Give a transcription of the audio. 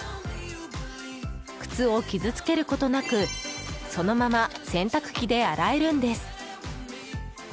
靴を傷つけることなくそのまま洗濯機で洗えるんです。